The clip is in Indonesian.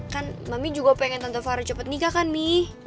kan mami juga pengen tante farah cepet nikah kan mi